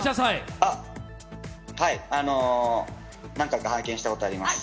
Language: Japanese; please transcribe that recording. はい、何回か拝見したことあります。